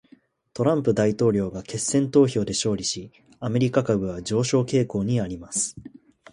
トランプ大統領が決選投票で勝利し、アメリカ株は上昇傾向にあります。